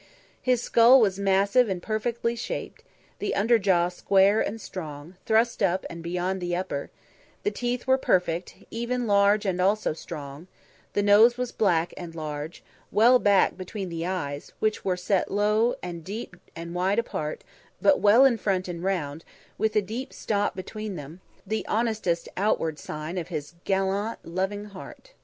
His skull was massive and perfectly shaped, the under jaw square and strong, thrust up and beyond the upper; the teeth were perfect, even, large and also strong; the nose was black and large, well back between the eyes, which were set low down and wide apart, but well in front and round, with a deep "stop" between them; the honestest outward sign of his gallant loving heart.